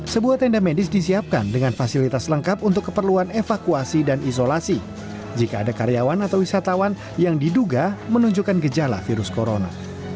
sebuah tenda medis disiapkan dengan fasilitas lengkap untuk keperluan evakuasi dan isolasi jika ada karyawan atau wisatawan yang diduga menunjukkan gejala virus corona